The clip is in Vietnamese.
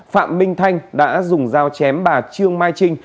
phạm minh thanh đã dùng dao chém bà trương mai trinh